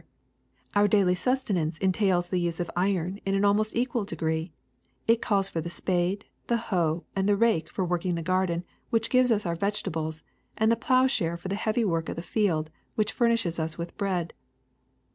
154 IRON 155 *^ Our daily sustenance entails the use of iron in an almost equal degree : it calls for the spade, the hoe, and the rake for working the garden which gives us our vegetables, and the plowshare for the heavy work of the field which furnishes us with bread.